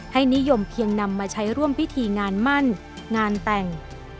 นิยมเพียงนำมาใช้ร่วมพิธีงานมั่นงานแต่ง